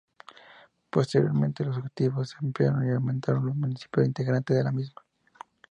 Posteriormente los objetivos se ampliaron y aumentaron los municipios integrantes de la misma.